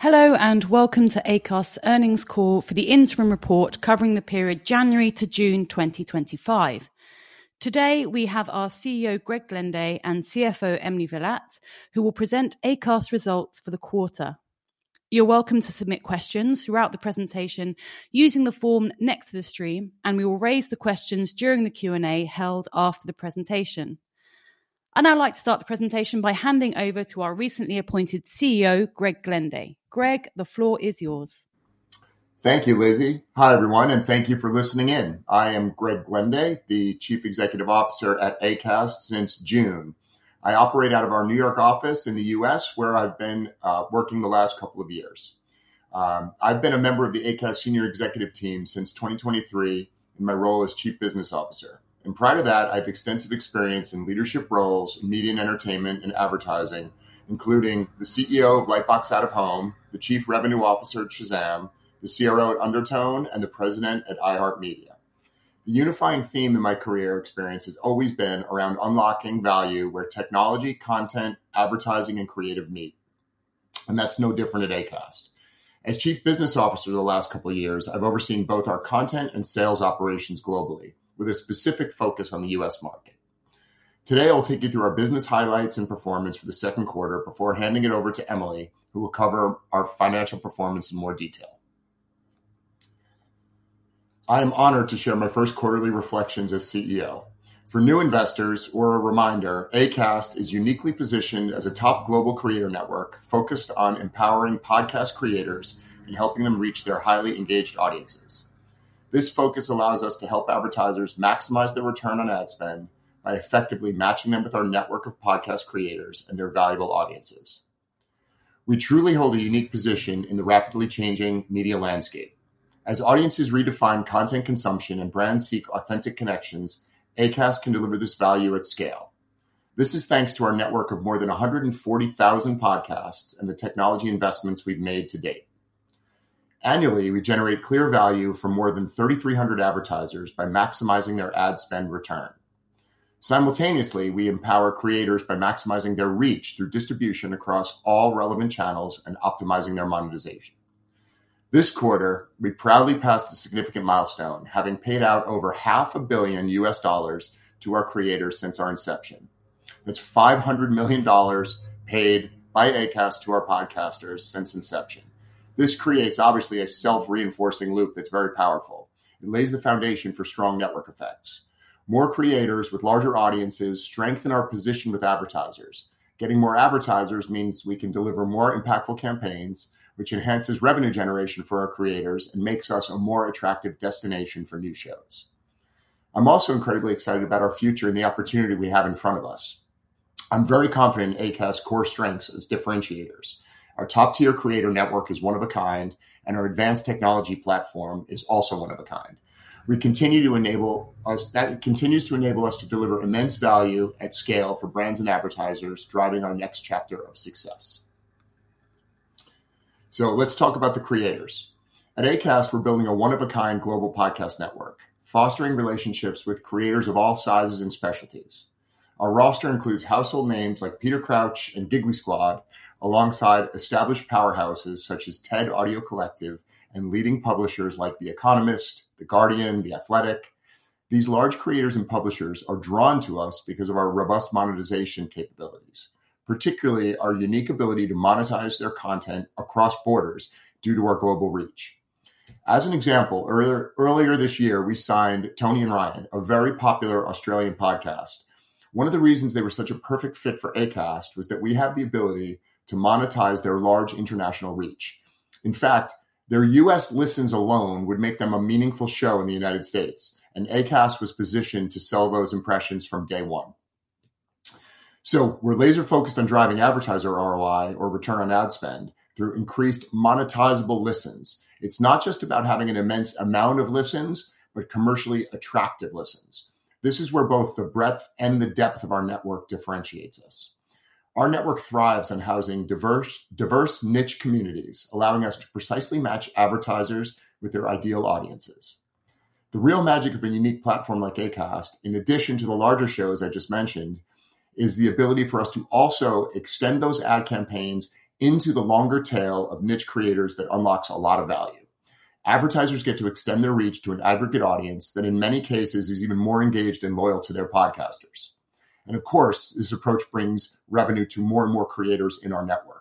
Hello and welcome to Acast's Earnings Call for the Interim Report Covering the Period January-June 2025. Today we have our CEO Greg Glenday and CFO Emily Villatte, who will present Acast results for the quarter. You're welcome to submit questions throughout the presentation using the form next to the stream, and we will raise the questions during the Q&A held after the presentation. I'd now like to start the presentation by handing over to our recently appointed CEO Greg Glenday. Greg, the floor is yours. Thank you, Lizzy. Hi everyone and thank you for listening in. I am Greg Glenday, the Chief Executive Officer at Acast since June. I operate out of our New York office in the U.S. where I've been working the last couple of years. I've been a member of the Acast Senior Executive team since 2023 in my role as Chief Business Officer and prior to that I have extensive experience in leadership roles, media, entertainment and advertising, including the CEO of Lightbox Out of Home, the Chief Revenue Officer, Shazam, the CRO at Undertone, and the President at iHeartMedia. The unifying theme in my career experience has always been around unlocking value where technology, content, advertising and creative meet. That's no different at Acast. As Chief Business Officer the last couple of years, I've overseen both our content and sales operations globally with a specific focus on the U.S. market. Today, I'll take you through our business highlights and performance for the second quarter before handing it over to Emily, who will cover our financial performance in more detail. I am honored to share my first quarterly reflections as CEO. For new investors, a reminder: Acast is uniquely positioned as a top global creator network focused on empowering podcast creators and helping them reach their highly engaged audiences. This focus allows us to help advertisers maximize their return on ad spend by effectively matching them with our network of podcast creators and their valuable audiences. We truly hold a unique position in the rapidly changing media landscape. As audiences redefine content consumption and brands seek authentic connections, Acast can deliver this value at scale. This is thanks to our network of more than 140,000 podcasts and the technology investments we've made to date. Annually, we generate clear value for more than 3,300 advertisers by maximizing their ad spend return. Simultaneously, we empower creators by maximizing their reach through distribution across all relevant channels and optimizing their monetization. This quarter, we proudly passed a significant milestone, having paid out over $500 million to our creators since our inception. That's $500 million paid by Acast to our podcasters since inception. This creates obviously a self-reinforcing loop that's very powerful and lays the foundation for strong network effects. More creators with larger audiences strengthen our position with advertisers. Getting more advertisers means we can deliver more impactful campaigns, which enhances revenue generation for our creators and makes us a more attractive destination for new shows. I'm also incredibly excited about our future and the opportunity we have in front of us. I'm very confident Acast core strengths as differentiators. Our top tier creator network is one of a kind and our advanced technology platform is also one of a. Kind. That continues to enable us to deliver immense value at scale for brands and advertisers, driving our next chapter of success. Let's talk about the creators. At Acast, we're building a one-of-a-kind global podcast network, fostering relationships with creators of all sizes and specialties. Our roster includes household names like Peter Crouch and Giggly Squad, alongside established powerhouses such as TED Audio Collective and leading publishers like The Economist, The Guardian, and The Athletic. These large creators and publishers are drawn to us because of our robust monetization capabilities, particularly our unique ability to monetize their content across borders due to our global reach. For example, earlier this year we signed Toni and Ryan, a very popular Australian podcast. One of the reasons they were such a perfect fit for Acast was that we have the ability to monetize their large international reach. In fact, their U.S. listens alone would make them a meaningful show in the United States, and Acast was positioned to sell those impressions from day one. We're laser focused on driving advertiser ROI or return on ad spend through increased monetizable listens. It's not just about having an immense amount of listens, but commercially attractive listens. This is where both the breadth and the depth of our network differentiates us. Our network thrives on housing diverse, niche communities, allowing us to precisely match advertisers with their ideal audiences. The real magic of a unique platform like Acast, in addition to the larger shows I just mentioned, is the ability for us to also extend those ad campaigns into the longer tail of niche creators. That unlocks a lot of value. Advertisers get to extend their reach to an aggregate audience that in many cases is even more engaged and loyal to their podcasters. Of course, this approach brings revenue to more and more creators in our network.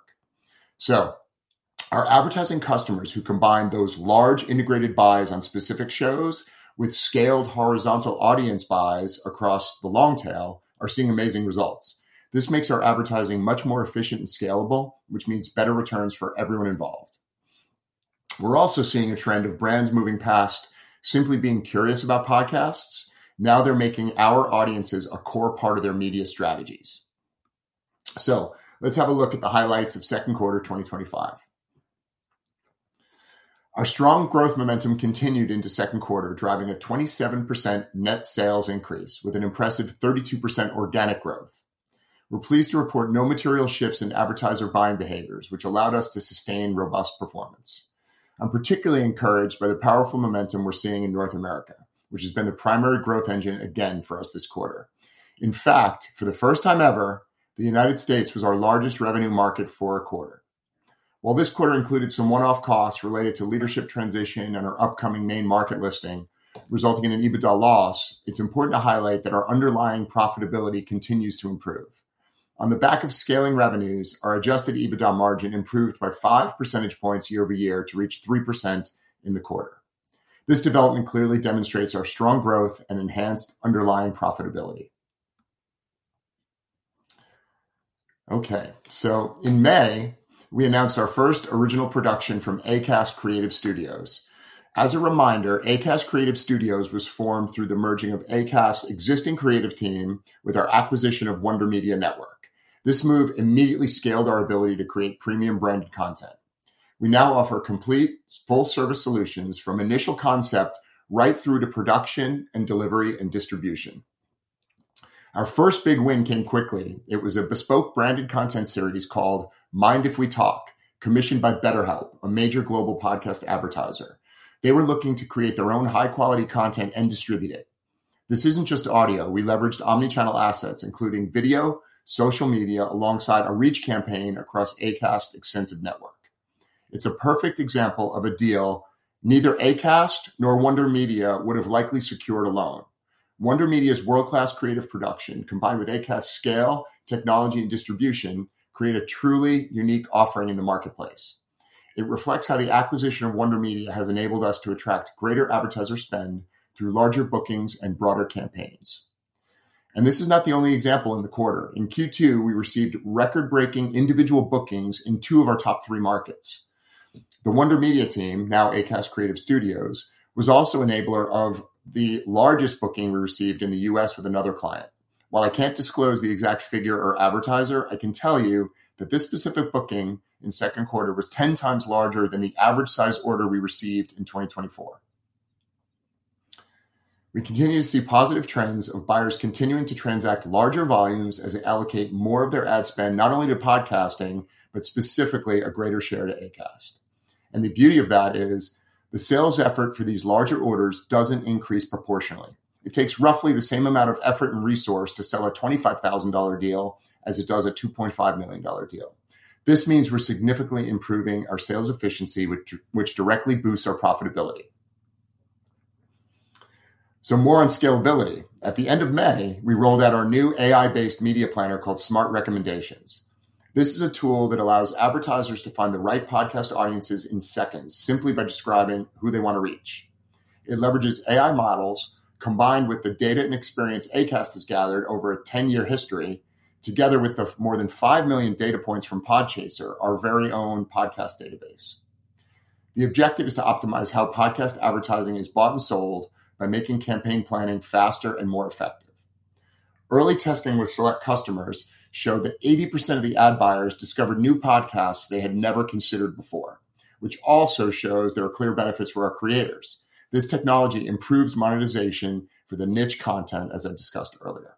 Our advertising customers who combine those large integrated buys on specific shows with scaled horizontal audience buys across the long tail are seeing amazing results. This makes our advertising much more efficient and scalable, which means better returns for everyone involved. We're also seeing a trend of brands moving past simply being curious about podcasts. Now they're making our audiences a core part of their media strategies. Let's have a look at the highlights of second quarter 2025. Our strong growth momentum continued into second quarter, driving a 27% net sales increase with an impressive 32% organic growth. We're pleased to report no material shifts in advertiser buying behaviors, which allowed us to sustain robust performance. I'm particularly encouraged by the powerful momentum we're seeing in North America, which has been a primary growth engine again for us this quarter. In fact, for the first time ever, the United States was our largest revenue market for a quarter. While this quarter included some one-off costs related to leadership transition and our upcoming main market listing resulting in an EBITDA loss, it's important to highlight that our underlying profitability continues to improve on the back of scaling revenues. Our adjusted EBITDA margin improved by 5 percentage points year-over-year to reach 3% in the quarter. This development clearly demonstrates our strong growth and enhanced underlying profitability. In May we announced our first original production from Acast Creative Studios. As a reminder, Acast Creative Studios was formed through the merging of Acast's existing creative team with our acquisition of Wonder Media Network. This move immediately scaled our ability to create premium branded content. We now offer complete full-service solutions from initial concept right through to production and delivery and distribution. Our first big win came quickly. It was a bespoke branded content series called Mind If We Talk? commissioned by BetterHelp, a major global podcast advertiser. They were looking to create their own high-quality content and distribute it. This isn't just audio. We leveraged omnichannel assets including video, social media alongside a reach campaign across Acast's extensive network. It's a perfect example of a deal neither Acast nor Wonder Media Network would have likely secured alone. Wonder Media Network's world-class creative production combined with Acast's scale, technology, and distribution create a truly unique offering in the marketplace. It reflects how the acquisition of Wonder Media Network has enabled us to attract greater advertiser spend through larger bookings and broader campaigns. This is not the only example in the quarter. In Q2 we received record-breaking individual bookings in two of our top three markets. The Wonder Media Network team, now Acast Creative Studios, was also enabler of the largest booking we received in the U.S. with another client. While I can't disclose the exact figure or advertiser, I can tell you that this specific booking in second quarter was 10 times larger than the average size order we received in 2024. We continue to see positive trends of buyers continuing to transact larger volumes as they allocate more of their ad spend not only to podcasting, but specifically a greater share to Acast. The beauty of that is the sales effort for these larger orders doesn't increase proportionately. It takes roughly the same amount of effort and resource to sell a $25,000 deal as it does a $2.5 million deal. This means we're significantly improving our sales efficiency, which directly boosts our profitability. More on scalability. At the end of May, we rolled out our new AI-driven media planner called Smart Recommendations. This is a tool that allows advertisers to find the right podcast audiences in seconds simply by describing who they want to reach. It leverages AI models combined with the data and experience Acast has gathered over a 10-year history together with the more than 5 million data points from Podchaser, our very own podcast database. The objective is to optimize how podcast advertising is bought and sold by making campaign planning faster and more effective. Early testing with select customers showed that 80% of the ad buyers discovered new podcasts they had never considered before, which also shows there are clear benefits for our creators. This technology improves monetization for the niche content. As I discussed earlier,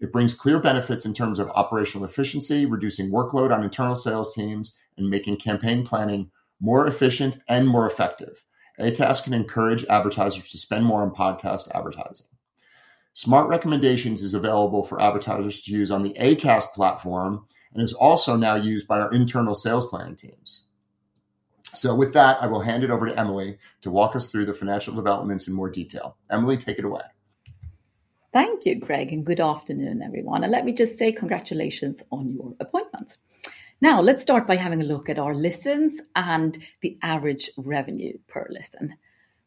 it brings clear benefits in terms of operational efficiency, reducing workload on internal sales teams and making campaign planning more efficient and more effective. Acast can encourage advertisers to spend more on podcast advertising. Smart Recommendations is available for advertisers to use on the Acast platform and is also now used by our internal sales plan teams. I will hand it over to Emily to walk us through the financial developments in more detail. Emily, take it away. Thank you, Greg, and good afternoon, everyone, and let me just say congratulations on your appointments. Now let's start by having a look at our listens and the average revenue per listen.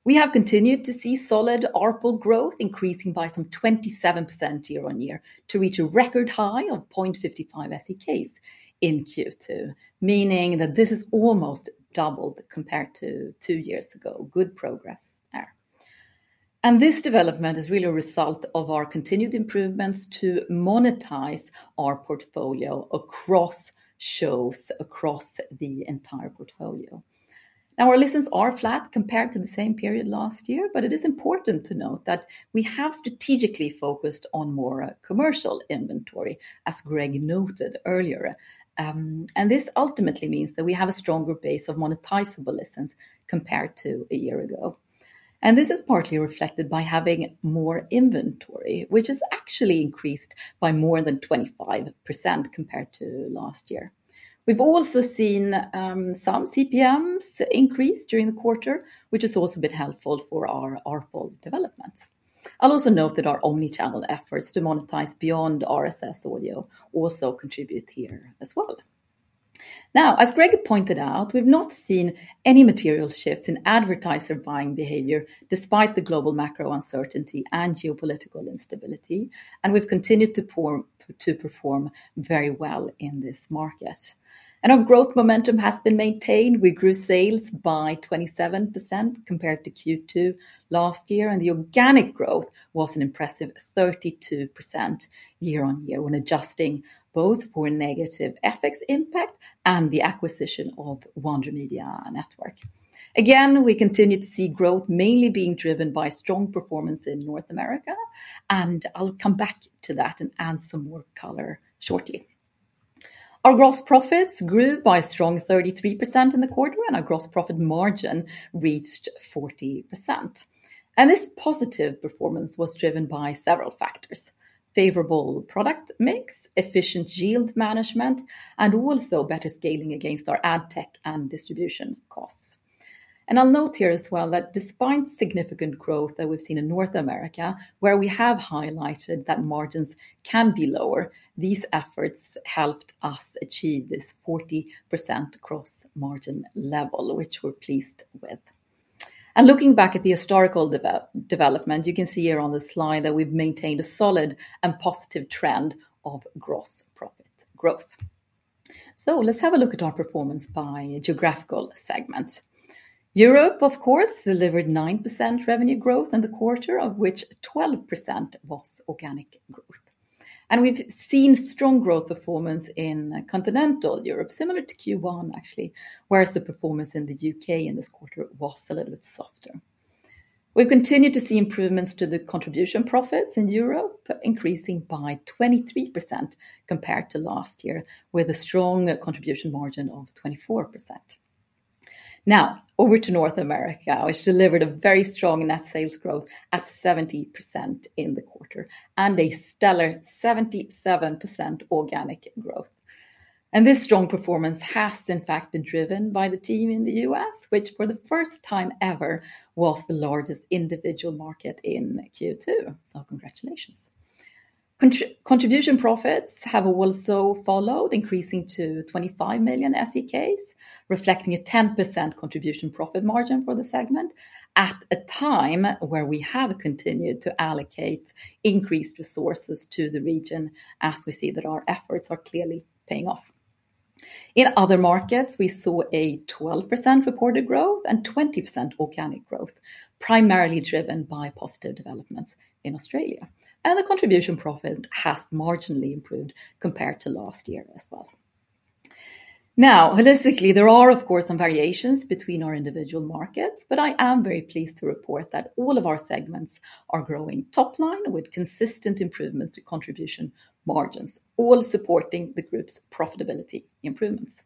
We have continued to see solid ARPL growth, increasing by some 27% year-on-year to reach a record high of 0.55 SEK in Q2, meaning that this has almost doubled compared to two years ago. Good progress there. This development is really a result of our continued improvements to monetize our portfolio across shows, across the entire portfolio. Our listens are flat compared to the same period last year, but it is important to note that we have strategically focused on more commercial inventory, as Greg noted earlier, and this ultimately means that we have a stronger base of monetizable inventory compared to a year ago, and this is partly reflected by having more inventory, which has actually increased by more than 25% compared to last year. We've also seen some CPMs increase during the quarter, which is also a bit helpful for our full development. I'll also note that our omnichannel efforts to monetize beyond RSS audio also contribute here as well. As Greg pointed out, we've not seen any material shifts in advertiser buying behavior despite the global macro uncertainty and geopolitical instability, and we've continued to perform very well in this market and our growth momentum has been maintained. We grew sales by 27% compared to Q2 last year, and the organic growth was an impressive 32% year-on-year when adjusting both for negative FX impact and the acquisition of Wonder Media Network. Again, we continue to see growth mainly being driven by strong performance in North America, and I'll come back to that and add some more color shortly. Our gross profits grew by a strong 33% in the quarter, and our gross profit margin reached 40%. This positive performance was driven by several factors: favorable product mix, efficient yield management, and also better scaling against our ad tech and distribution costs. I'll note here as well that despite significant growth that we've seen in North America, where we have highlighted that margins can be lower, these efforts helped us achieve this 40% gross margin level, which we're pleased with. Looking back at the historical development, you can see here on the slide that we've maintained a solid and positive trend of gross profit growth. Let's have a look at our performance by geographical segment. Europe of course delivered 9% revenue growth in the quarter, of which 12% was organic growth. We've seen strong growth performance in continental Europe, similar to Q1 actually, whereas the performance in the UK in this quarter was a little bit softer. We've continued to see improvements to the contribution profits in Europe, increasing by 23% compared to last year with a strong contribution margin of 24%. Now over to North America, which delivered a very strong net sales growth at 70% in the quarter and a stellar 77% organic growth. This strong performance has in fact been driven by the team in the U.S., which for the first time ever was the largest individual market in Q2. Congratulations. Contribution profits have also followed, increasing to 25 million SEK, reflecting a 10% contribution profit margin for the segment at a time where we have continued to allocate increased resources to the region as we see that our efforts are clearly paying off. In other markets, we saw a 12% reported growth and 20% organic growth, primarily driven by positive developments in Australia, and the contribution profit has marginally improved compared to last year as well. Now holistically, there are of course some variations between our individual markets, but I am very pleased to report that all of our segments are growing top line with consistent improvements to contribution margins, all supporting the group's profitability improvements.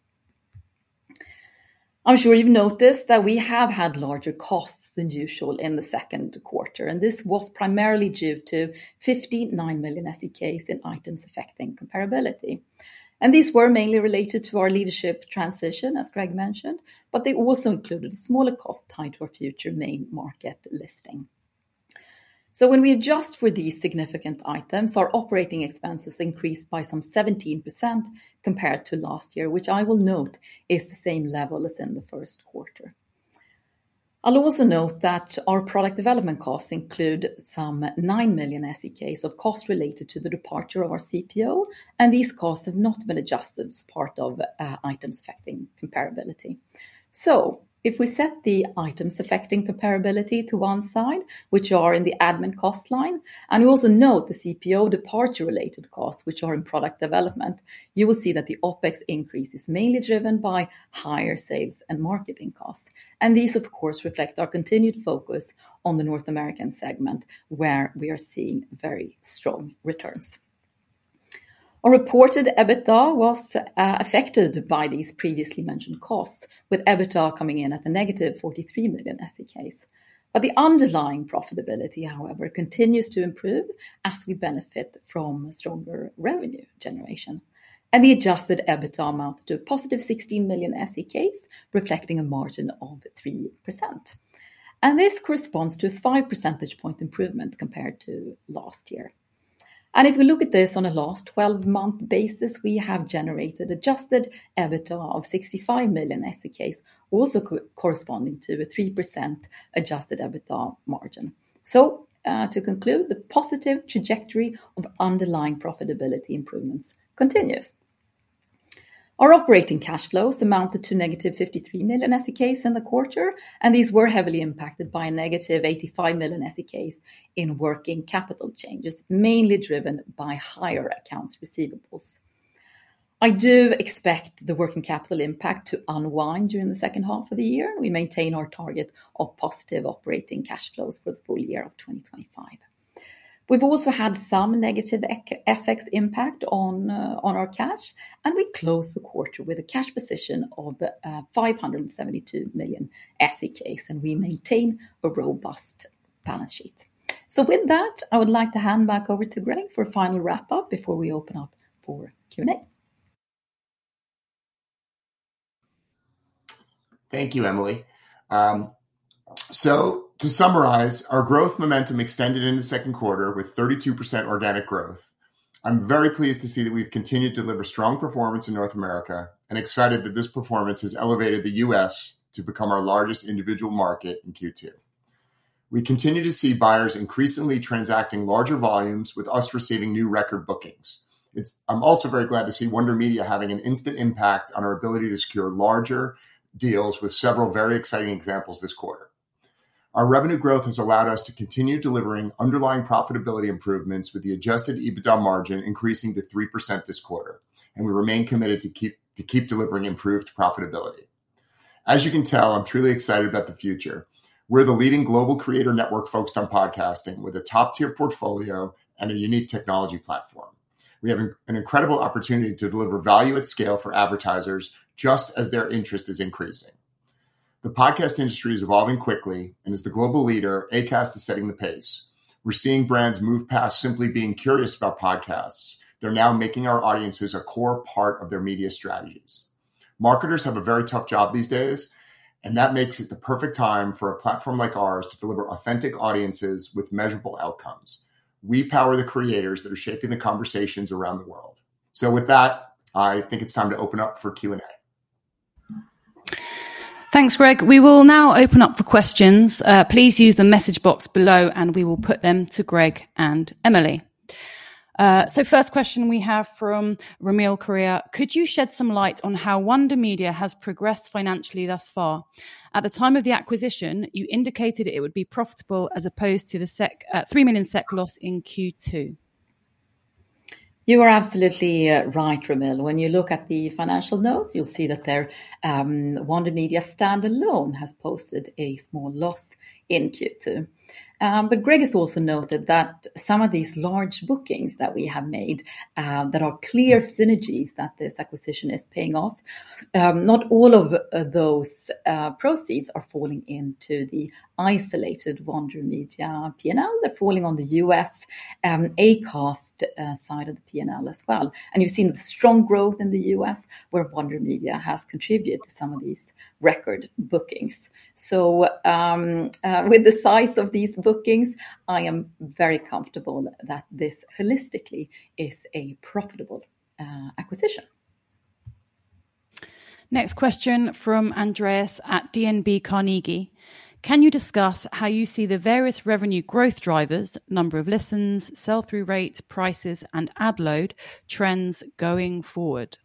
I'm sure you've noticed that we have had larger costs than usual in the second quarter, and this was primarily due to 59 million SEK in items affecting comparability. These were mainly related to our leadership transition as Greg mentioned, but they also included a smaller cost tied to our future main market listing. When we adjust for these significant items, our operating expenses increased by some 17% compared to last year, which I will note is the same level as in the first quarter. I'll also note that our product development costs include some 9 million SEK of costs related to the departure of our CPO, and these costs have not been adjusted as part of items affecting comparability. If we set the items affecting comparability to one side, which are in the admin cost line, and we also note the CPO departure related costs, which are in product development, you will see that the OpEx increase is mainly driven by higher sales and marketing costs, and these, of course, reflect our continued focus on the North American segment where we are seeing very strong returns. Our reported EBITDA was affected by these previously mentioned costs, with EBITDA coming in at -43 million SEK. The underlying profitability, however, continues to improve as we benefit from stronger revenue generation, and the adjusted EBITDA amounted to positive 16 million SEK, reflecting a margin of 3%. This corresponds to a 5 percentage point improvement compared to last year. If we look at this on a last 12 month basis, we have generated adjusted EBITDA of 65 million SEK, also corresponding to a 3% adjusted EBITDA margin. To conclude, the positive trajectory of underlying profitability improvements continues. Our operating cash flows amounted to -53 million SEK in the quarter, and these were heavily impacted by a -85 million SEK in working capital changes, mainly driven by higher accounts receivables. I do expect the working capital impact to unwind during the second half of the year. We maintain our target of positive operating cash flows for the full year of 2025. We've also had some negative FX impact on our cash, and we closed the quarter with a cash position of 572 million SEK, and we maintain a robust balance sheet. With that, I would like to hand back over to Greg for a final wrap up before we open up for Q&A. Thank you, Emily. To summarize, our growth momentum extended in the second quarter with 32% organic growth. I'm very pleased to see that we've continued to deliver strong performance in North America and excited that this performance has elevated the U.S. to become our largest individual market in Q2. We continue to see buyers increasingly transacting larger volumes with us, receiving new record bookings. I'm also very glad to see Wonder Media Network having an instant impact on our ability to secure larger deals, with several very exciting examples this quarter. Our revenue growth has allowed us to continue delivering underlying profitability improvements, with the adjusted EBITDA margin increasing to 3% this quarter, and we remain committed to keep delivering improved profitability. As you can tell, I'm truly excited about the future. We're the leading global creator network focused on podcasting. With a top-tier portfolio and a unique technology platform, we have an incredible opportunity to deliver value at scale for advertisers just as their interest is increasing. The podcast industry is evolving quickly, and as the global leader, Acast is setting the pace. We're seeing brands move past simply being curious about podcasts. They're now making our audiences a core part of their media strategies. Marketers have a very tough job these days, and that makes it the perfect time for a platform like ours to deliver authentic audiences with measurable outcomes. We power the creators that are shaping the conversations around the world. I think it's time to open up for Q and A. Thanks, Greg. We will now open up for questions. Please use the message box below and we will put them to Greg and Emily. First question we have from Ramil Koria. Could you shed some light on how Wonder Media Network has progressed financially thus far? At the time of the acquisition you indicated it would be profitable as opposed to the 3 million SEK loss in Q2. You are absolutely right, Ramil. When you look at the financial notes, you'll see that their Wonder Media Network standalone has posted a small loss in Q2. Greg has also noted that some of these large bookings that we have made are clear synergies, that this acquisition is paying off. Not all of those proceeds are falling into the isolated Wonder Media Network P&L. They're falling on the U.S. Acast side of the P&L as well. You've seen strong growth in the U.S. where Wonder Media Network has contributed to some of these record bookings. With the size of these bookings, I am very comfortable that this holistically is a profitable acquisition. Next question from Andreas at DNB Carnegie. Can you discuss how you see the various revenue growth drivers, number of listens, sell-through rate, prices, and ad load trends going forward?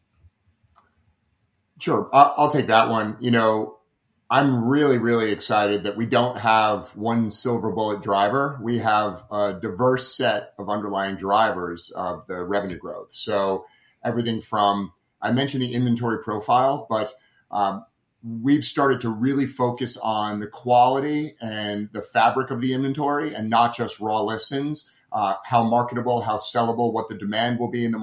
Sure, I'll take that one. I'm really, really excited that we don't have one silver bullet driver. We have a diverse set of underlying drivers of the revenue growth. Everything from I mentioned the inventory profile, but we've started to really focus on the quality and the fabric of the inventory and not just raw listens. How marketable, how sellable, what the demand will be in the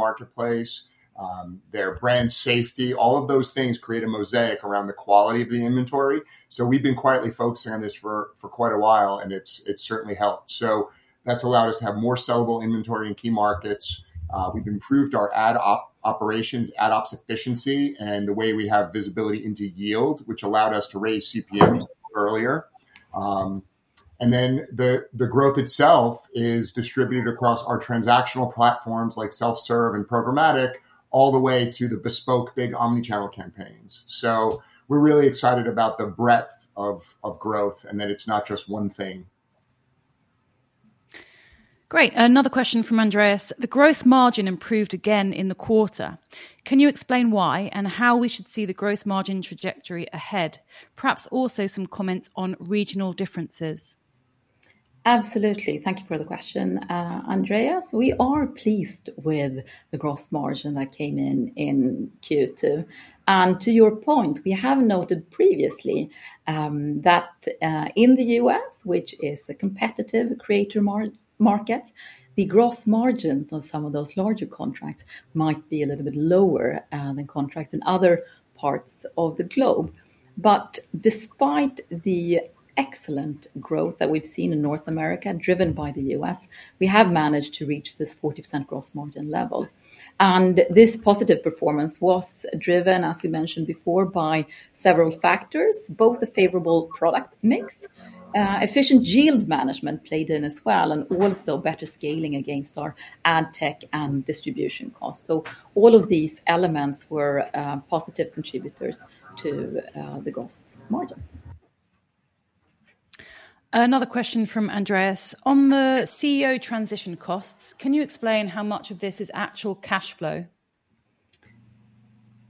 marketplace, their brand safety, all of those things create a mosaic around the quality of the inventory. We've been quietly focusing on this for quite a while and it's certainly helped. That's allowed us to have more sellable inventory in key markets. We've improved our ad operations, ad ops efficiency, and the way we have visibility into yield, which allowed us to raise CPM earlier. The growth itself is distributed across our transactional platforms like Self Serve and Programmatic, all the way to the bespoke big omnichannel campaigns. We're really excited about the breadth of growth and that it's not just one thing. Great. Another question from Andreas. The gross profit margin improved again in the quarter. Can you explain why and how we should see the gross profit margin trajectory ahead? Perhaps also some comments on regional differences. Absolutely. Thank you for the question, Andreas. We are pleased with the gross margin that came in in Q2. To your point, we have noted previously that in the U.S., which is a competitive creator market, the gross margins on some of those larger contracts might be a little bit lower than contracts in other parts of the globe. Despite the excellent growth that we've seen in North America driven by the U.S., we have managed to reach this 40% gross margin level. This positive performance was driven, as we mentioned before, by several factors. Both a favorable product mix and efficient yield management played in as well, and also better scaling against our ad tech and distribution costs. All of these elements were positive contributors to the gross margin. Another question from Andreas on the CEO transition costs. Can you explain how much of this is actual cash flow?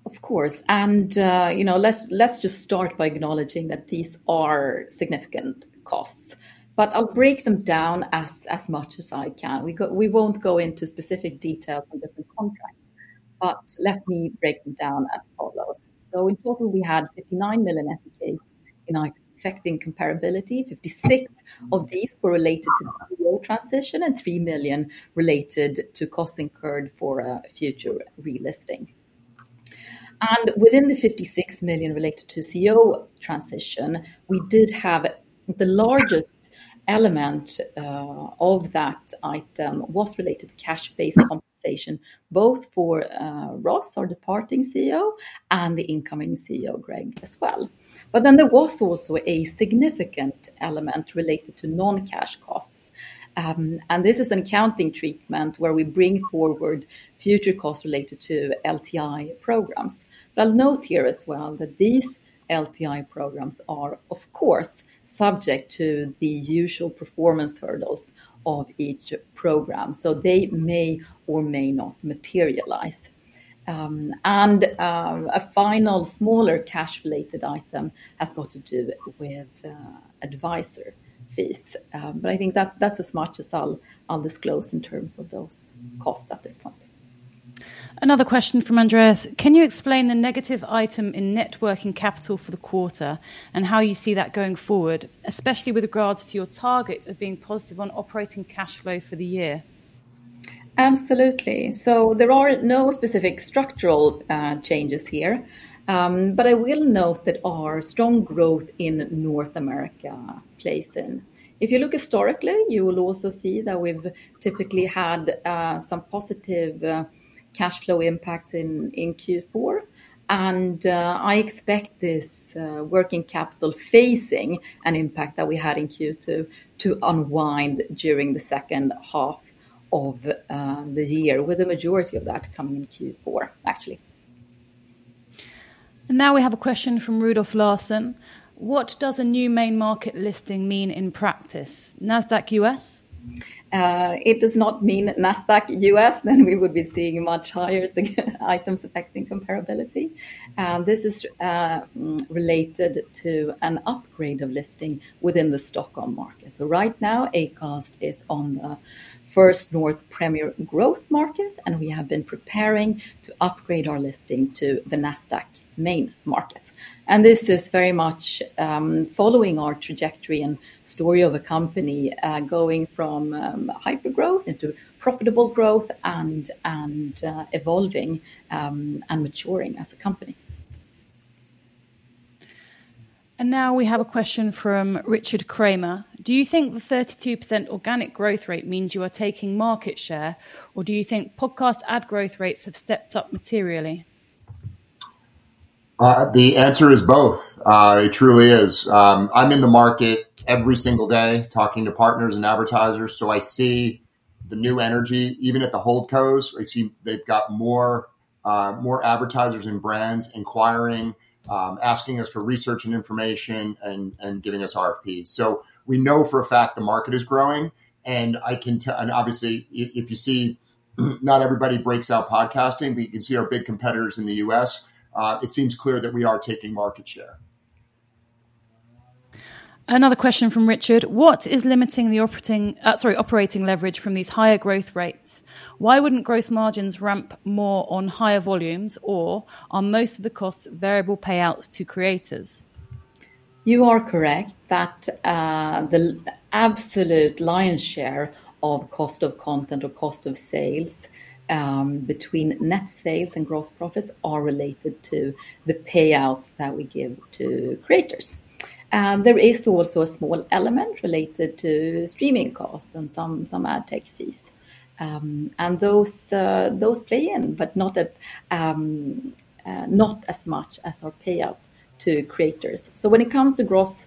Of course. You know, let's just start by acknowledging that these are significant costs, but I'll break them down as much as I can. We won't go into specific details on different contracts, but let me break them down as follows. In total, we had 59 million SEK in items affecting comparability, 56 million of these were related to transition and 3 million related to costs incurred for a future relisting. Within the 56 million related to CEO transition, we did have the largest element of that item related to cash-based compensation, both for Ross, our departing CEO, and the incoming CEO Greg as well. There was also a significant element related to non-cash costs. This is accounting treatment where we bring forward future costs related to LTI programs. I'll note here as well that these LTI programs are, of course, subject to the usual performance hurdles of each program, so they may or may not materialize. A final smaller cash-related item has to do with advisor fees, but I think that's as much as I'll disclose in terms of those costs at this point. Another question from Andreas. Can you explain the negative item in net working capital for the quarter, and how you see that going forward, especially with regards to your target of being positive on operating cash flow for the year? Absolutely. There are no specific structural changes here, but I will note that our strong growth in North America plays in. If you look historically, you will also see that we've typically had some positive cash flow impacts in Q4, and I expect this working capital facing an impact that we had in Q2 to unwind during the second half of the year, with the majority of that coming in Q4 actually. We have a question from Rudolph Larsen. What does a new main market listing mean in practice? Nasdaq U.S. does not mean Nasdaq U.S. would be seeing much higher items affecting comparability, and this is related to an upgrade of listing within the stock market. Right now Acast is on the First North Premier Growth Market, and we have been preparing to upgrade our listing to the Nasdaq main market. This is very much following our trajectory and story of a company going from hypergrowth into profitable growth and evolving and maturing as a company. We have a question from Richard Kramer. Thank you. Do you think the 32% organic growth rate means you are taking market share, or do you think podcast ad growth rates have stepped up materially? The answer is both. It truly is. I'm in the market every single day talking to partners and advertisers. I see the new energy even at the HoldCos. I see they've got more advertisers and brands inquiring, asking us for research and information, and giving us RFPs. We know for a fact the market is growing. I can tell, and obviously if you see, not everybody breaks out podcasting, but you can see our big competitors in the U.S. It seems clear that we are taking market share. Another question from Richard, what is limiting the operating leverage from these higher growth rates? Why wouldn't gross margins ramp more on higher volumes? Are most of the costs variable payouts to creators? You are correct that the absolute lion's share of cost of content or cost of sales between net sales and gross profits are related to the payouts that we give to creators. There is also a small element related to streaming costs and some ad tech fees, and those play in but not as much as our payouts to creators. When it comes to gross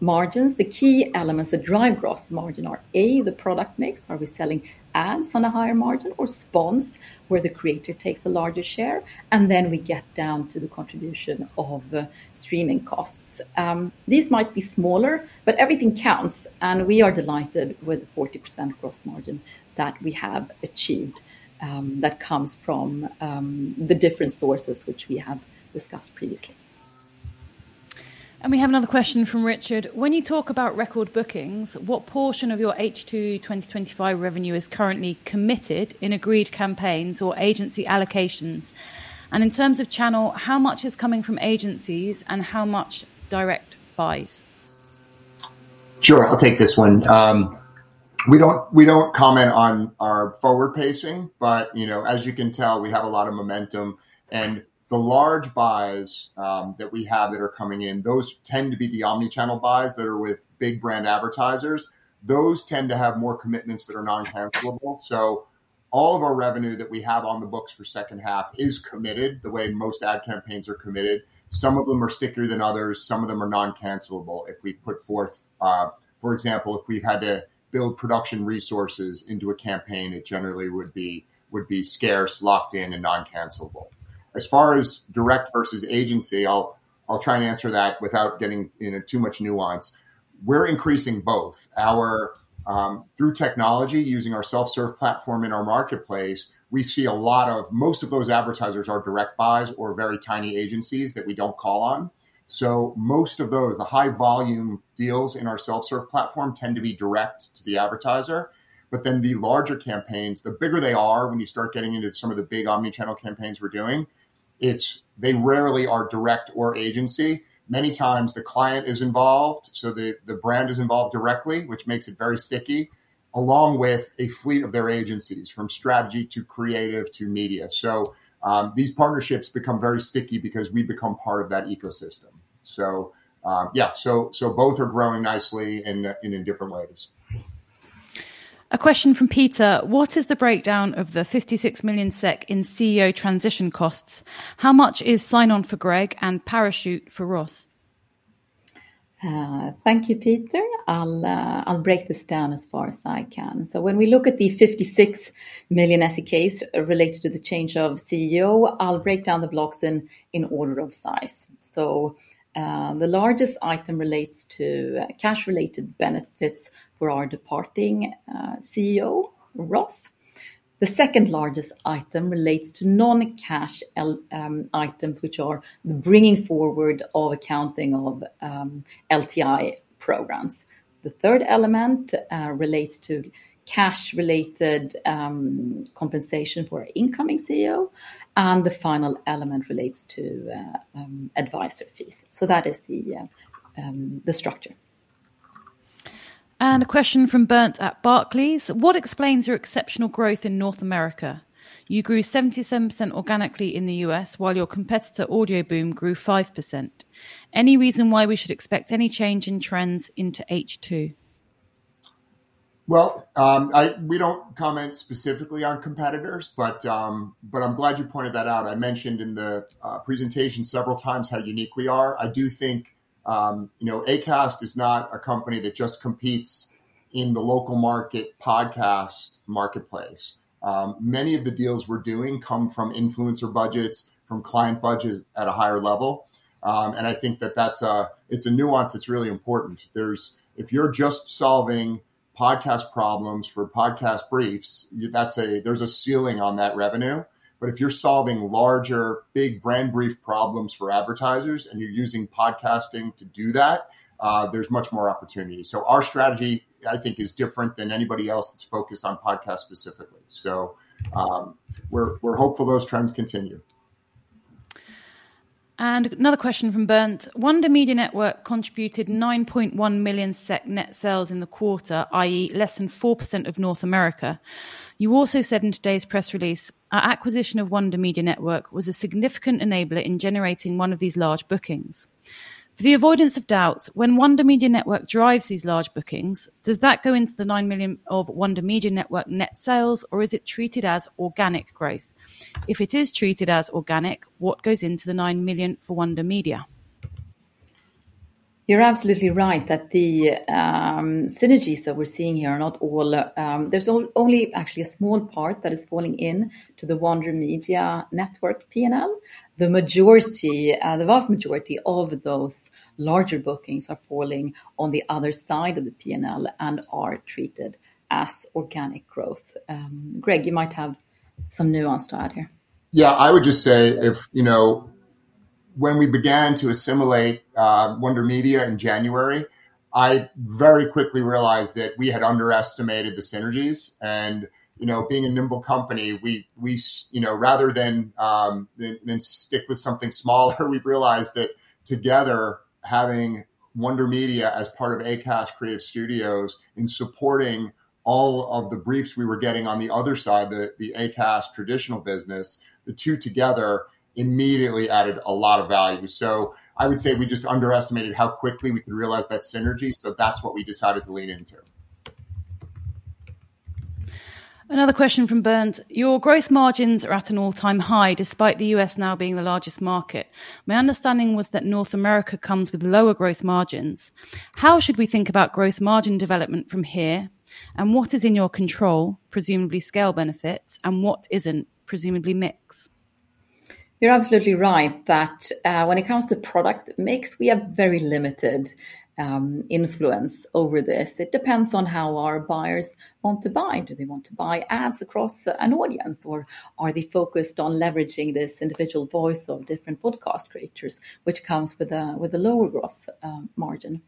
margins, the key elements that drive gross margin are the product mix, are we selling ads on a higher margin or spons where the creator takes a larger share, and then we get down to the contribution of streaming costs. These might be smaller, but everything counts. We are delighted with the 40% gross margin that we have achieved. That comes from the different sources which we have discussed previously. We have another question from Richard. When you talk about record bookings, what portion of your H2 2025 revenue is currently committed in agreed campaigns or agency allocations? In terms of channel, how much is coming from agencies and how much direct buys? Sure, I'll take this one. We don't comment on our forward pacing, but as you can tell, we have a lot of momentum. The large buys that we have that are coming in tend to be the omnichannel buys that are with big brand advertisers. Those tend to have more commitments that are non-cancellable. All of our revenue that we have on the books for the second half is committed the way most ad campaigns are committed. Some of them are stickier than others, some of them are non-cancellable. If we put forth, for example, if we've had to build production resources into a campaign, it generally would be scarce, locked in, and non-cancellable. As far as direct versus agency, I'll try and answer that without getting into too much nuance. We're increasing both through technology using our Self Serve platform. In our marketplace, we see a lot of most of those advertisers are direct buys or very tiny agencies that we don't call on. Most of those, the high-volume deals in our Self Serve platform, tend to be direct to the advertiser. The larger campaigns, the bigger they are, when you start getting into some of the big omnichannel campaigns we're doing, they rarely are direct or agency. Many times the client is involved, so the brand is involved directly, which makes it very sticky along with a fleet of their agencies from strategy to creative to media. These partnerships become very sticky because we become part of that ecosystem. Both are growing nicely in different ways. A question from Peter. What is the breakdown of the 56 million SEK in CEO transition costs? How much is sign-on for Greg and parachute for Ross? Thank you, Peter. I'll break this down as far as I can. When we look at the 56 million SEK case related to the change of CEO, I'll break down the blocks in order of size. The largest item relates to cash-related benefits for our departing CEO, Ross. The second largest item relates to non-cash items, which are the bringing forward of accounting of LTI programs. The third element relates to cash-related compensation for incoming CEO, and the final element relates to advisor fees. That is the structure. A question from Bernd at Barclays. What explains your exceptional growth in North America? You grew 77% organically in the U.S. while your competitor Audioboom grew 5%. Any reason why we should expect any change in trends into H2? We don't comment specifically on competitors, but I'm glad you pointed that out. I mentioned in the presentation several times how unique we are. I do think Acast is not a company that just competes in the local market podcast marketplace. Many of the deals we're doing come from influencer budgets, from client budgets at a higher level. I think that that's a nuance that's really important. If you're just solving podcast problems for podcast briefs, there's a ceiling on that revenue. If you're solving larger big brand brief problems for advertisers and you're using podcasting to do that, there's much more opportunity. Our strategy I think is different than anybody else that's focused on podcast specifically. We're hopeful those trends continue. Another question from Bernd. Wonder Media Network contributed 9.1 million SEK net sales in the quarter. That is less than 4% of North America. You also said in today's press release our acquisition of Wonder Media Network was a significant enabler in generating one of these large bookings. For the avoidance of doubt, when Wonder Media Network drives these large bookings, does that go into the 9 million of Wonder Media Network net sales or is it treated as organic growth? If it is treated as organic, what goes into the 9 million for Wonder Media? You're absolutely right that the synergies that we're seeing here are not all. There's only actually a small part that is falling into the Wonder Media Network P&L. The majority, the vast majority of those larger bookings, are falling on the other side of the P&L and are treated as organic growth. Greg, you might have some nuance to add here. I would just say if, you know, when we began to assimilate Wonder Media Network in January, I very quickly realized that we had underestimated the synergies. You know, being a nimble company, we, you know, rather than stick with something smaller, we realized that together, having Wonder Media Network as part of Acast Creative Studios, in supporting all of the briefs we were getting on the other side, the Acast traditional business, the two together immediately added a lot of value. I would say we just underestimated how quickly we could realize that synergy. That's what we decided to lean into. Another question from Bernd. Your gross margins are at an all-time high despite the U.S. now being the largest market. My understanding was that North America comes with lower gross margins. How should we think about gross margin development from here? What is in your control, presumably scale benefits, and what isn't, presumably mix. You're absolutely right that when it comes to product mix, we have very limited influence over this. It depends on how our buyers want to buy. Do they want to buy ads across an audience, or are they focused on leveraging this individual voice of different podcast creators, which comes with lower gross margin?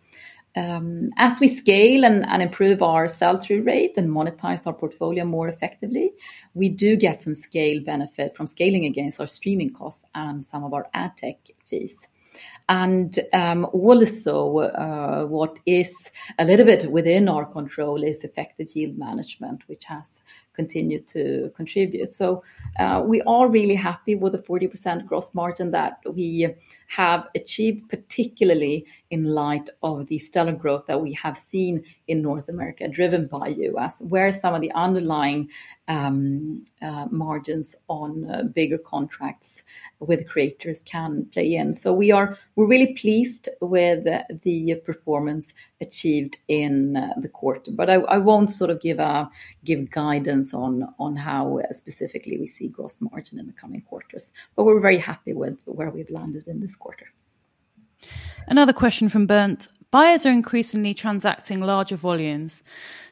As we scale and improve our sell-through rate and monetize our portfolio more effectively, we do get some scale benefit from scaling against our streaming costs and some of our ad tech fees. What is a little bit within our control is effective yield management, which has continued to contribute. We are really happy with the 40% gross margin that we have achieved, particularly in light of the stellar growth that we have seen in North America driven by us, where some of the underlying margins on bigger contracts with creators can play in. We are really pleased with the performance achieved in the quarter. I won't give guidance on how specifically we see gross margin in the coming quarters, but we're very happy with where we've landed in this quarter. Another question from Bernd. Buyers are increasingly transacting larger volumes.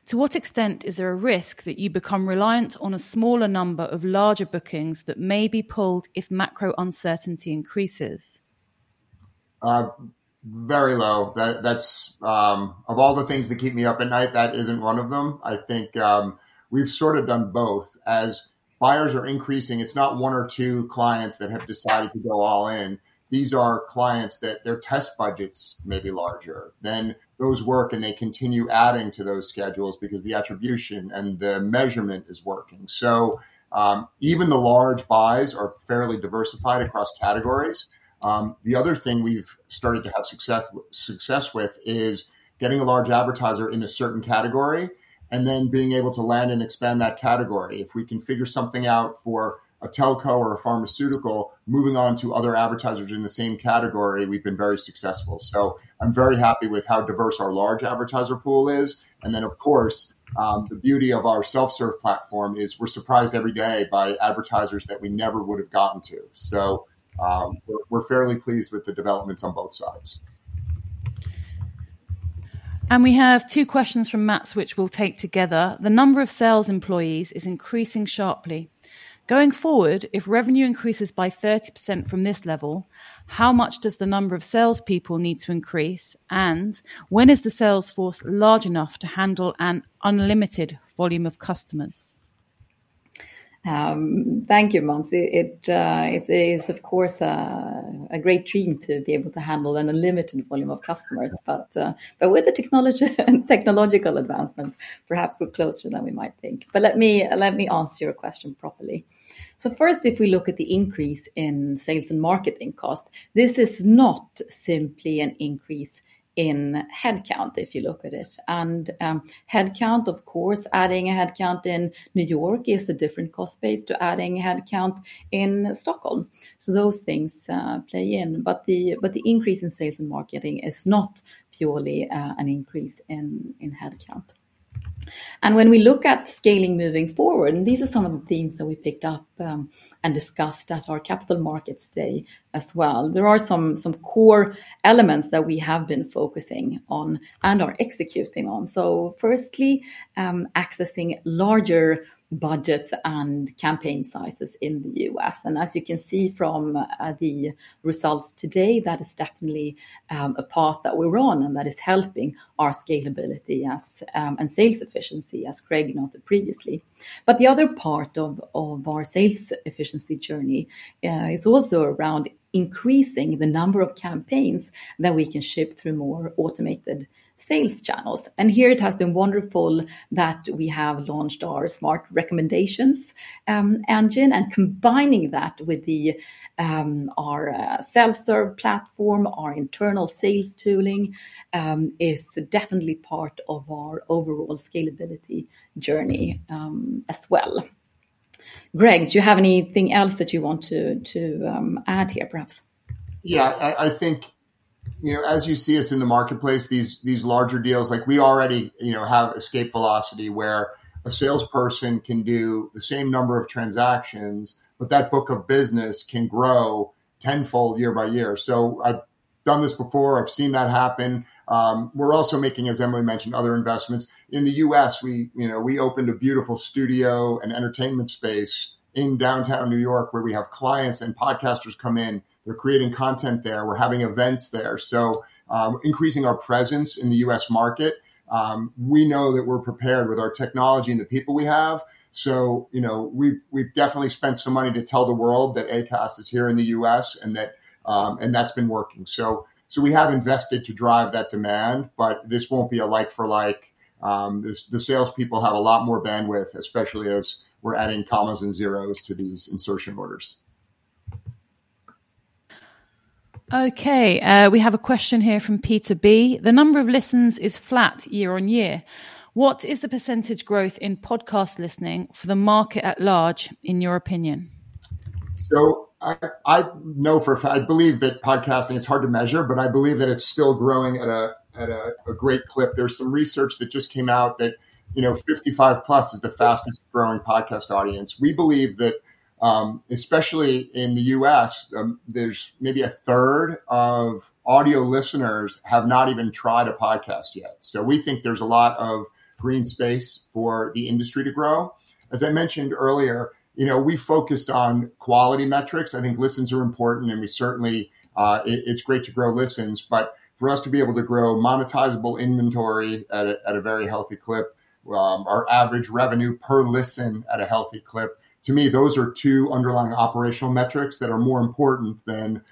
To what extent is there a risk that you become reliant on a smaller number of larger bookings that may be pulled if macro uncertainty increases? Very low. Of all the things that keep me up at night, that isn't one of them. I think we've sort of done both. As buyers are increasing, it's not one or two clients that have decided to go all in. These are clients that their test budgets may be larger than those work and they continue adding to those schedules because the attribution and the measurement is working. Even the large buys are fairly diversified across categories. The other thing we've started to have success with is getting a large advertiser in a certain category and then being able to land and expand that category if we can figure something out for a telco or a pharmaceutical. Moving on to other advertisers in the same category, we've been very successful. I'm very happy with how diverse our large advertiser pool is. The beauty of our Self Serve platform is we're surprised every day by advertisers that we never would have gotten to. We're fairly pleased with the developments on both sides. We have two questions from Mats which we'll take together. The number of sales employees is increasing sharply going forward. If revenue increases by 30% from this level, how much does the number of salespeople need to increase? When is the salesforce large enough to handle an unlimited volume of customers? Thank you, Mats. It is of course a great dream to be able to handle an unlimited volume of customers. With the technological advancements, perhaps we're closer than we might think. Let me answer your question properly. First, if we look at the increase in sales and marketing cost, this is not simply an increase in headcount. If you look at it and headcount, of course, adding a headcount in New York is a different cost base to adding headcount in Stockholm. Those things play in. The increase in sales and marketing is not purely an increase in headcount. When we look at scaling moving forward, and these are some of the themes that we picked up and discussed at our capital markets day as well, there are some core elements that we have been focusing on and are executing on. Firstly, accessing larger budgets and campaign sizes in the U.S., and as you can see from the results today, that is definitely a path that we're on and that is helping our scalability and sales efficiency, as Greg noted previously. The other part of our sales efficiency journey is also around increasing the number of campaigns that we can ship through more automated sales channels. It has been wonderful that we have launched our Smart Recommendations engine and combining that with our Self Serve platform, our internal sales tooling is definitely part of our overall scalability journey as well. Greg, do you have anything else that you want to add here perhaps? Yeah, I think as you see us in the marketplace, these larger deals, we already have escape velocity where a salesperson can do the same number of transactions, but that book of business can grow tenfold year by year. I've done this before. I've seen that happen. We're also making, as Emily mentioned, other investments in the U.S. We opened a beautiful studio and entertainment space in downtown New York where we have clients and podcasters come in, they're creating content there, we're having events there, increasing our presence in the U.S. market. We know that we're prepared with our technology and the people we have. We've definitely spent some money to tell the world that Acast is here in the U.S. and that's been working. We have invested to drive that demand. This won't be a like for like. The salespeople have a lot more bandwidth, especially as we're adding commas and zeros to these insertion orders. Okay, we have a question here from Peter B. The number of listens is flat year on year. What is the % growth in podcast listening for the market at large, in your opinion? I know that podcasting is hard to measure, but I believe that it's still growing at a great clip. There's some research that just came out that 55+ is the fastest growing podcast audience. We believe that especially in the U.S. there's maybe a third of audio listeners who have not even tried a podcast yet. We think there's a lot of green space for the industry to grow. As I mentioned earlier, we focused on quality metrics. I think listens are important and we certainly, it's great to grow listens, but for us to be able to grow monetizable inventory at a very healthy clip, our average revenue per listen at a healthy clip, to me, those are two underlying operational metrics that are more important than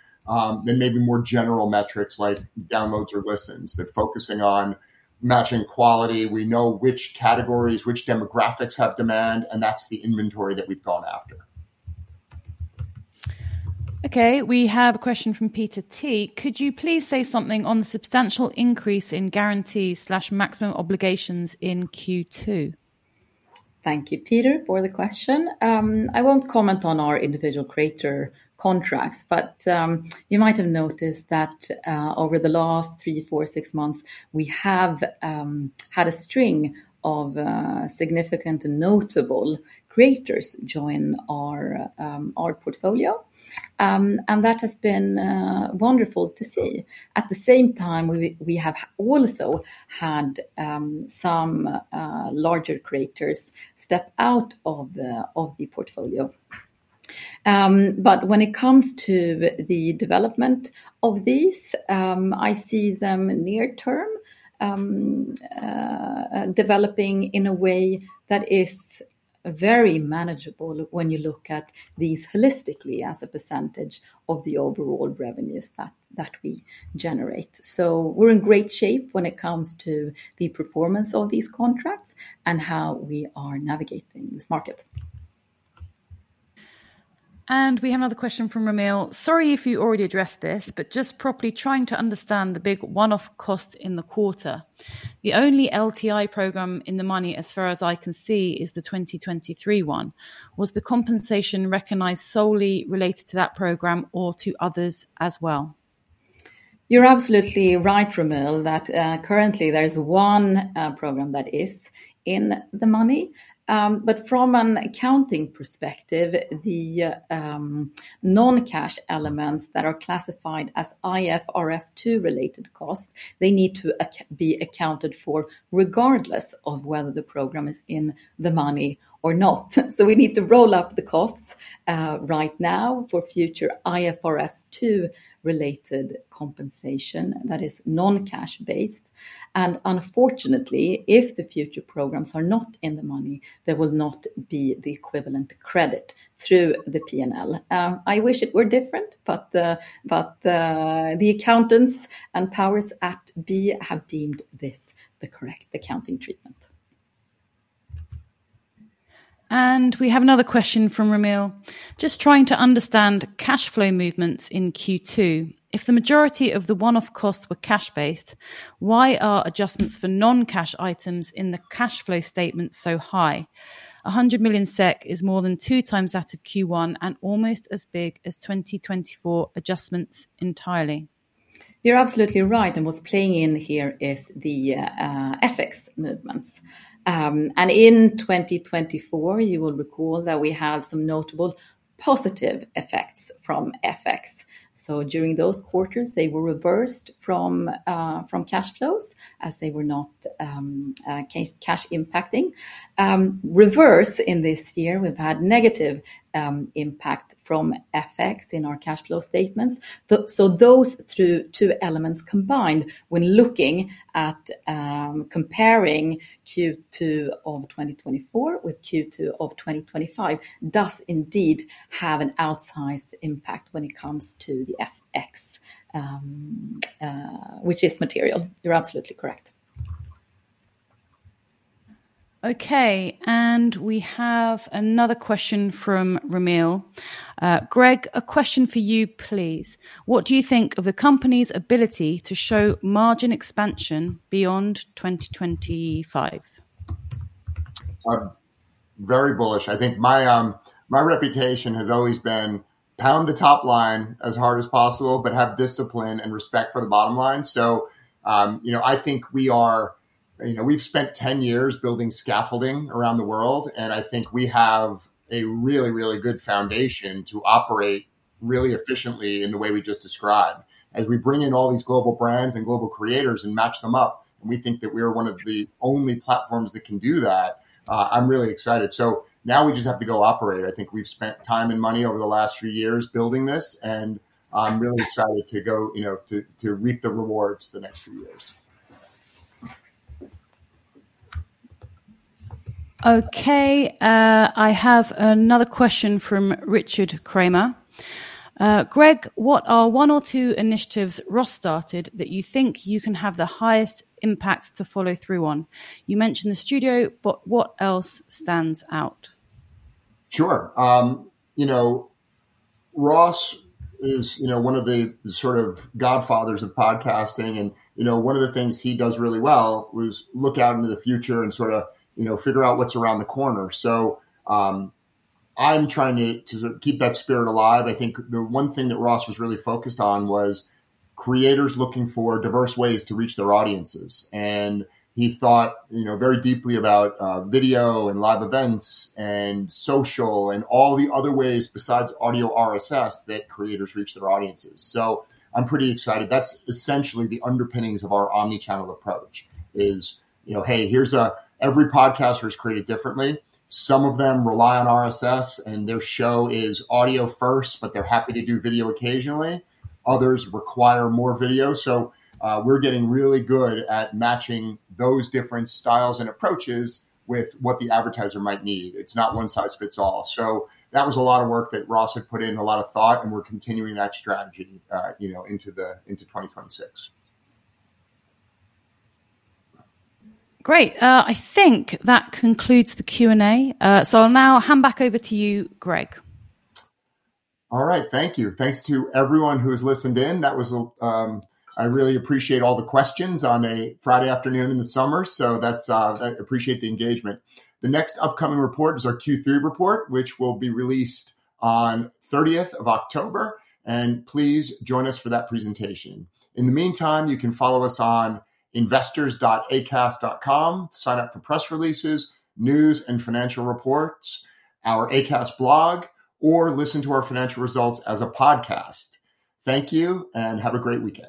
maybe more general metrics like downloads or listens. They're focusing on matching quality. We know which categories, which demographics have demand, and that's the inventory that we've gone after. Okay, we have a question from Peter T. Could you please say something on the substantial increase in guarantees, maximum obligations in Q2? Thank you, Peter, for the question. I won't comment on our individual creator contracts, but you might have noticed that over the last three, four, six months we have had a string of significant, notable creators join our portfolio, and that has been wonderful to see. At the same time, we have also had some larger creators step out of the portfolio. When it comes to the development of these, I see them near term developing in a way that is very manageable when you look at these holistically as a percentage of the overall revenues that we generate. We're in great shape when it comes to the performance of these contracts and how we are navigating this market. We have another question from Ramil. Sorry if you already addressed this, but just properly trying to understand the big one-off cost in the quarter. The only LTI program in the money as far as I can see is the 2023 one. Was the compensation recognized solely related to that program or to others as well? You're absolutely right, Ramil, that currently there's one program that is in the money. From an accounting perspective, the non-cash elements that are classified as IFRS 2 related costs need to be accounted for regardless of whether the program is in the money or not. We need to roll up the costs right now for future IFRS 2 related compensation that is non-cash based. Unfortunately, if the future programs are not in the money, there will not be the equivalent credit through the P&L. I wish it were different, but the accountants and powers that be have deemed this the correct accounting treatment. We have another question from Ramil. Just trying to understand cash flow movements in Q2. If the majority of the one-off costs were cash based, why are adjustments for non-cash items in the cash flow statement so high? 100 million SEK is more than two times that of Q1 and almost as big as 2024 adjustments entirely. You're absolutely right. What's playing in here is the FX movements. In 2024, you will recall that we had some notable positive effects from FX. During those quarters, they were reversed from cash flows as they were not cash impacting reverse. This year, we've had negative impact from FX in our cash flow statements. Those two elements combined when looking at comparing Q2 of 2024 with Q2 of 2025 does indeed have an outsized impact when it comes to the FX, which is material, you're absolutely correct. Okay, we have another question from Ramil. Greg, a question for you, please. What do you think of the company's ability to show margin expansion beyond 2025? I'm very bullish. I think my reputation has always been pound the top line as hard as possible, but have discipline and respect for the bottom line. We have spent 10 years building scaffolding around the world, and I think we have a really, really good foundation to operate really efficiently in the way we just described. As we bring in all these global brands and global creators and match them up, we think that we are one of the only platforms that can do that. I'm really excited. Now we just have to go operate. I think we've spent time and money over the last few years building this, and I'm really excited to go, you know, to reap the rewards the next few years. Okay, I have another question from Richard Kramer. Greg, what are one or two initiatives Ross started that you think you can have the highest impact to follow through on? You mentioned the studio, but what else stands out? Sure. Ross is one of the sort of godfathers of podcasting. One of the things he does really well is look out into the future and figure out what's around the corner. I'm trying to keep that spirit alive. I think the one thing that Ross was really focused on was creators looking for diverse ways to reach their audiences. He thought very deeply about video and live events and social and all the other ways besides audio RSS that creators reach their audiences. I'm pretty excited. That's essentially the underpinnings of our omnichannel approach: every podcaster is created differently. Some of them rely on RSS, and their show is audio first, but they're happy to do video occasionally. Others require more video. We're getting really good at matching those different styles and approaches with what the advertiser might need. It's not one size fits all. That was a lot of work that Ross had put in, a lot of thought, and we're continuing that strategy into 2026. Great. I think that concludes the Q and A, so I'll now hand back over to you, Greg. All right, thank you. Thanks to everyone who's listened in. I really appreciate all the questions on a Friday afternoon in the summer. I appreciate the engagement. The next upcoming report is our Q3 report, which will be released on 30th of October, and please join us for that presentation. In the meantime, you can follow us on investors.acast.com, sign up for press releases, news and financial reports, our Acast blog, or listen to our financial results as a podcast. Thank you and have a great weekend.